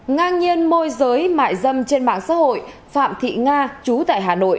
ngang nhiên môi giới mại dâm trên mạng xã hội phạm thị nga chú tại hà nội